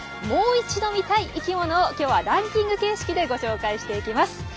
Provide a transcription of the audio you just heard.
もう一度見たい生きものを今日はランキング形式でご紹介していきます。